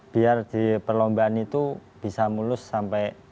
biar di perlombaan itu bisa mulus sampai